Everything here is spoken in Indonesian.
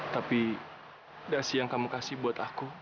tapi dasi yang kamu kasih buat kepadamu